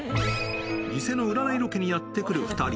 偽の占いロケにやって来る２人。